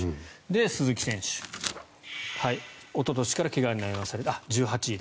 鈴木選手おととしから怪我に悩まされあ、１８位だ。